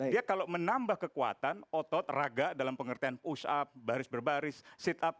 dia kalau menambah kekuatan otot raga dalam pengertian push up baris berbaris sit up